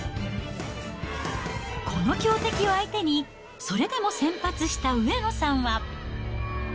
この強敵を相手に、それでも先発した上野さんは。